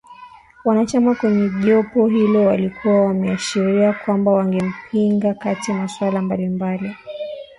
Wanachama kwenye jopo hilo walikuwa wameashiria kwamba wangempinga katika masuala mbali mbali